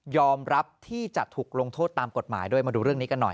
รับที่จะถูกลงโทษตามกฎหมายด้วยมาดูเรื่องนี้กันหน่อย